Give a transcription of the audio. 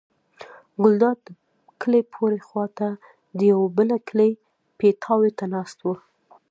ګلداد د کلي پورې خوا ته د یوه بل کلي پیتاوي ته ناست و.